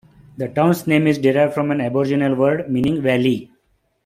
The town's name is derived from an aboriginal word meaning "valley".